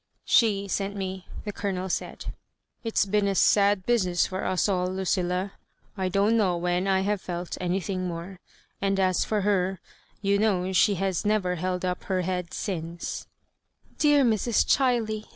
^' She sent me," the Colonel said; "ifs been a sad business for us all, Lucilla; I don^t know when I have felt anything more; and, as for her, you know she has never lield up her head since—" ''Bear MrsL Chiley!"